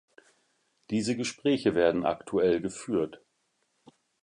Diese Gespräche werden aktuell geführt.